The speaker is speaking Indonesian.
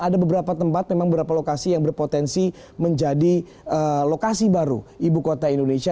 ada beberapa tempat memang beberapa lokasi yang berpotensi menjadi lokasi baru ibu kota indonesia